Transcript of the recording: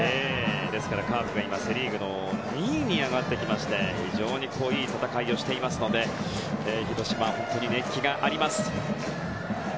ですからカープが今、セ・リーグの２位に上がっていまして非常にいい戦いをしていますので広島、本当に熱気があります。